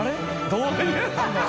どういう